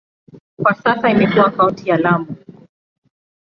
Kwa sasa imekuwa kaunti ya Lamu.